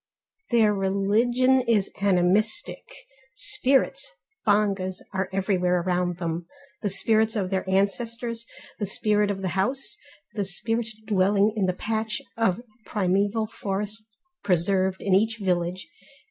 Their religion is animistic, spirits (bongas) are everywhere around them: the spirits of their ancestors, the spirit of the house, the spirit dwelling in the patch of primeval forest preserved in each village.